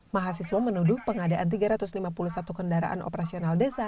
mahasiswa menuduh pengadaan tiga ratus lima puluh satu kendaraan operasional desa